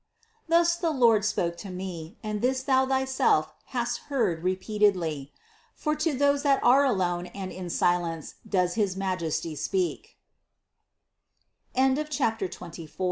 Thus the Lord spoke to me, and this thou thyself hast heard repeated ly, for to those that are alone and in silence does his Majesty spea